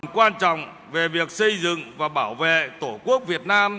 quan trọng về việc xây dựng và bảo vệ tổ quốc việt nam